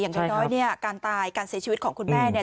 อย่างน้อยเนี่ยการตายการเสียชีวิตของคุณแม่เนี่ย